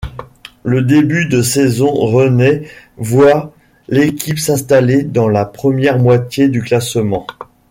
Le début de saison rennais voit l'équipe s'installer dans la première moitié du classement.